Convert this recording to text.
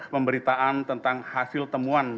pemberitaan tentang hasil temuan